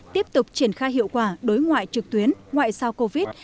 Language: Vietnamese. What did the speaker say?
tiếp tục triển khai hiệu quả đối ngoại trực tuyến ngoại sao covid